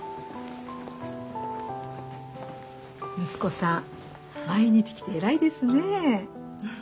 息子さん毎日来て偉いですね。